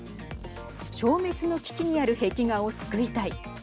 消滅の危機にある壁画を救いたい。